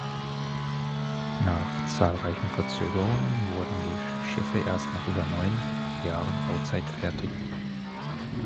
Nach zahlreichen Verzögerungen wurden die Schiffe erst nach über neun Jahren Bauzeit fertig.